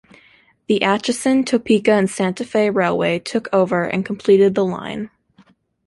The Atchison, Topeka and Santa Fe Railway took over and completed the line.